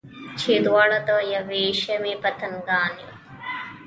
چې دواړه د یوې شمعې پتنګان یو.